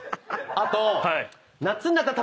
あと。